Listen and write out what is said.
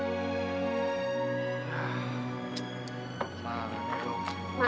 ya lagian kan kemarin